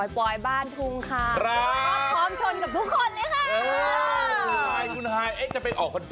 คนที่นั่งนอกตาเวลามองหน่อยสิ